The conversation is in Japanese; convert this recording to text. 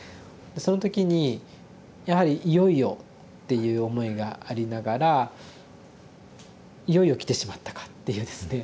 その時にやはり「いよいよ」っていう思いがありながら「いよいよ来てしまったか」っていうですね